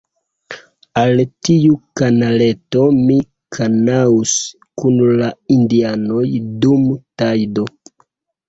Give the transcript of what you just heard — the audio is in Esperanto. Al tiu kanaleto mi kanuis kun la indianoj dum tajdo.